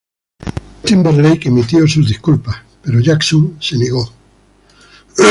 Timberlake emitió sus disculpas, pero Jackson se negó.